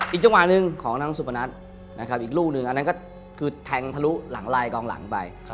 อีกจังหวะหนึ่งของนางสุปนัสอีกลูกหนึ่งอันนั้นก็แทงทะลุหลังไลกองหลังไป